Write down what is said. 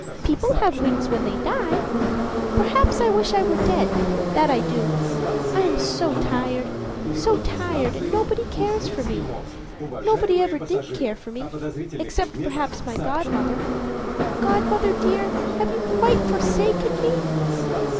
People have wings when they die perhaps; I wish I were dead, that I do. I am so tired, so tired; and nobody cares for me. Nobody ever did care for me, except perhaps my godmother. Godmother, dear, have you quite forsaken me?"